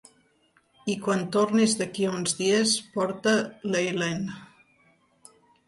I quan tornis d'aquí a uns dies, porta l'Eileen.